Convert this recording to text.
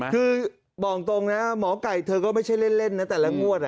คือบอกตรงนะหมอไก่เธอก็ไม่ใช่เล่นนะแต่ละงวด